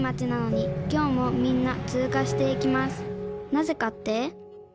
なぜかって？